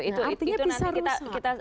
artinya bisa rusak